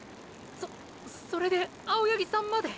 そそれで青八木さんまで。